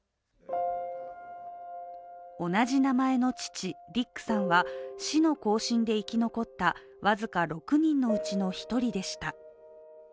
同じ名前の父・ディックさんは死の行進で生き残った僅か６人のうちの１人でした。